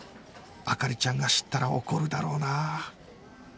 灯ちゃんが知ったら怒るだろうな